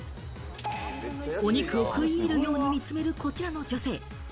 お肉を食い入るように見つめる、こちらの女性。